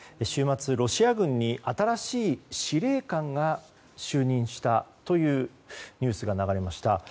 週末、ロシア軍に新しい司令官が就任したというニュースが流れました。